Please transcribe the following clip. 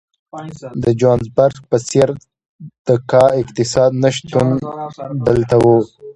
د جوهانسبورګ په څېر د کا اقتصاد نه شتون دلته وو.